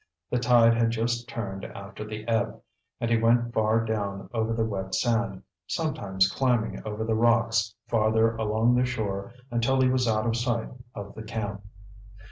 The tide had just turned after the ebb, and he went far down over the wet sand, sometimes climbing over the rocks farther along the shore until he was out of sight of the camp.